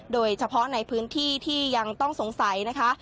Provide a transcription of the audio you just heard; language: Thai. โดยเฉพาะในพื้นที่ที่ยังต้องสงสัยนะคะ